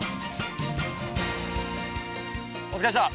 お疲れでした！